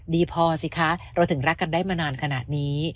ดีพอสิคะเราถึงรักกันได้มานานขนาดนี้